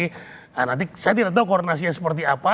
nah nanti saya tidak tahu koordinasinya seperti apa